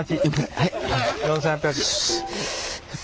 はい。